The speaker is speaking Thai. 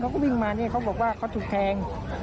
เขาก็วิ่งมานี่เขาบอกว่าเขาถูกแทง